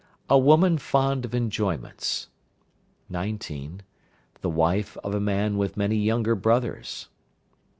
A woman fond of enjoyments. 19. The wife of a man with many younger brothers.